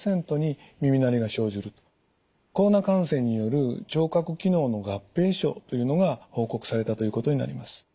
コロナ感染による聴覚機能の合併症というのが報告されたということになります。